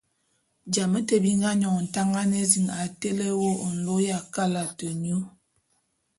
Jame té bi nga nyòn Ntangan ézin a tele wô nlô ya kalate nyô.